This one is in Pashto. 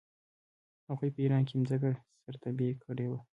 هغوی په ایران کې مځکه سره تبې کړې وه.